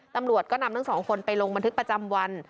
ตำรวจก็นำทั้งสองคนไปลงบันทึกประจำวัน